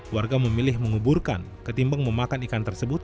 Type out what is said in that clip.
warga memilih menguburkan ketimbang memakan ikan tersebut